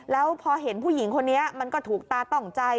แล้วพอเห็นผู้หญิงคนนี้มันก็ถูกตาต้องใจ